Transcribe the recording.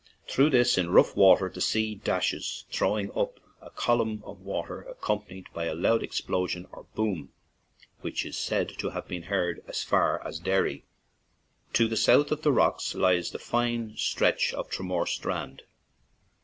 Through this, in rough weather, the sea dashes, throwing up a column of water accompanied by a loud explosion or boom, which is said to have been heard as far as Derry. To the south of the rocks lies the fine stretch of Tramore Strand.